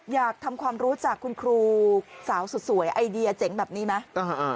อยากทำความรู้จักคุณครูสาวสุดสวยไอเดียเจ๋งแบบนี้ไหม